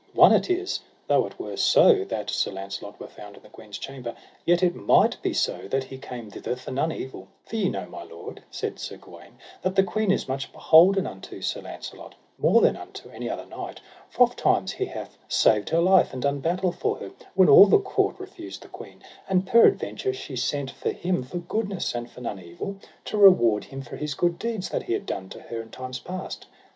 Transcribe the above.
One it is, though it were so that Sir Launcelot were found in the queen's chamber, yet it might be so that he came thither for none evil; for ye know my lord, said Sir Gawaine, that the queen is much beholden unto Sir Launcelot, more than unto any other knight, for ofttimes he hath saved her life, and done battle for her when all the court refused the queen; and peradventure she sent for him for goodness and for none evil, to reward him for his good deeds that he had done to her in times past.